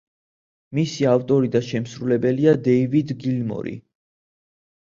მისი ავტორი და შემსრულებელია დეივიდ გილმორი.